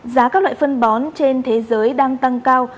giá các loại phân bón trên thế giới đang tăng cao